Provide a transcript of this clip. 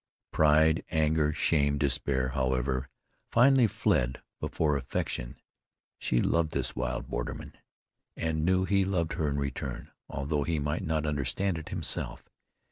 Pride, anger, shame, despair, however, finally fled before affection. She loved this wild borderman, and knew he loved her in return although he might not understand it himself.